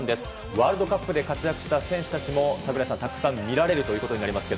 ワールドカップで活躍した選手たちも櫻井さん、たくさん見られますよ。